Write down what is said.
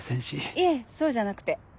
いえそうじゃなくて。